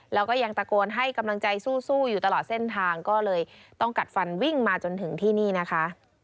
แล้วก็ยังตะโกนให้กำลังใจสู้อยู่ตลอดเส้นทางก็เลยต้องกัดฟันวิ่งมาจนถึงที่นี่นะคะ